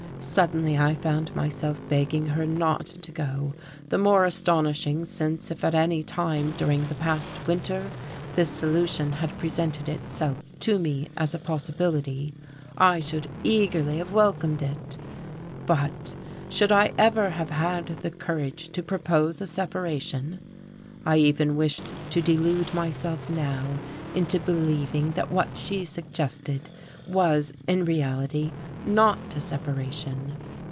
Suddenly I found myself begging her not to go; the more astonishing since, if at any time during the past winter this solution had presented itself to me as a possibility, I should eagerly have welcomed it! But should I ever have had the courage to propose a separation? I even wished to delude myself now into believing that what she suggested was in reality not a separation.